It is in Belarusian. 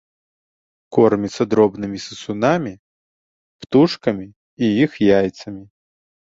Корміцца дробнымі сысунамі, птушкамі і іх яйцамі.